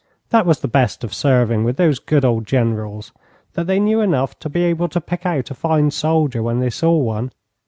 That was the best of serving with those good old generals, that they knew enough to be able to pick out a fine soldier when they saw one.